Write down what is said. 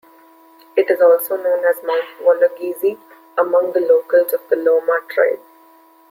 It is also known as Mount Wologizi among locals of the Loma tribe.